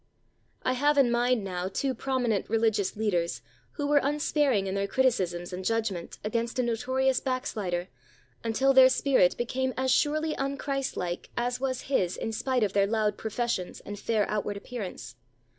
I have in mind now two prominent re ligious leaders who were unsparing in their criticisms and judgment against a notorious backslider until their spirit became as surely un Christlike as was his in spite of their loud professions and fair outward appear ance.